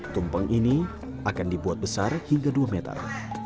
tumpeng ini akan dibuat besar hingga dua meter